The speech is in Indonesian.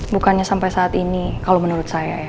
bukannya sampai saat ini kalau menurut saya ya